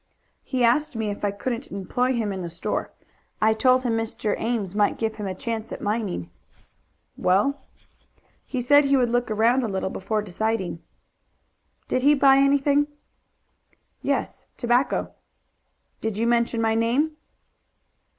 "He asked me if I couldn't employ him in the store. I told him Mr. Ames might give him a chance at mining." "Well?" "He said he would look round a little before deciding." "Did he buy anything?" "Yes, tobacco." "Did you mention my name?"